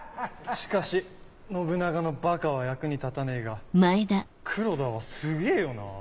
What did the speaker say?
・しかし信長のバカは役に立たねえが黒田はすげぇよな。